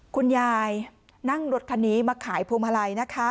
คุณยายนั่งรถคันนี้มาขายพวงมาลัยนะคะ